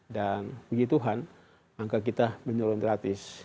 dan puji tuhan angka kita menyeluruh gratis